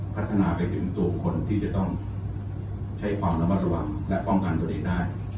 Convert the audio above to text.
พัฒนาไปถึงตัวบุคคลที่จะต้องใช้ความระมัดระวังและป้องกันตัวเองได้